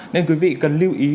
nên quý vị cần lưu ý